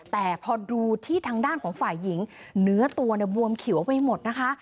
แต่พอดูที่ทางด้านของฝ่ายหญิงเเนื้อตัวบวมเขียวออกไปทั้งหมดนะคะ